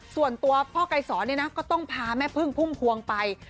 ส่วนตัวพ่อไกรสอนเนี่ยนะก็ต้องพาแม่พึ่งพุ่มพวงไป